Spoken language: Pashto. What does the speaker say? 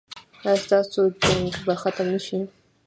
ایا ستاسو جنګ به ختم نه شي؟